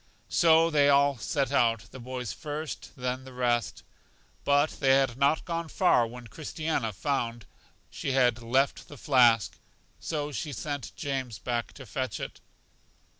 So they all set out, the boys first, then the rest; but they had not gone far when Christiana found she had left the flask, so she sent James back to fetch it.